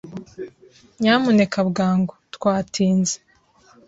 Nyamuneka bwangu. Twatinze.